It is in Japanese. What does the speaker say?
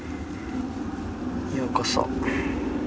ようこそ。